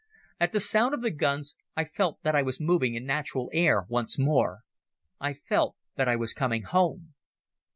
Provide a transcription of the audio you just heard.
At the sound of the guns I felt that I was moving in natural air once more. I felt that I was coming home.